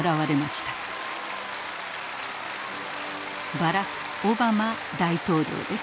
バラク・オバマ大統領です。